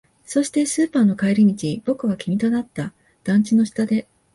そして、スーパーの帰り道、僕は君と会った。団地の下で。